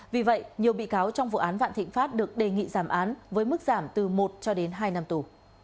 vì vậy nhiều bị cáo trong vụ án vạn thịnh pháp được đề nghị giảm án với mức giảm từ một cho đến hai năm tù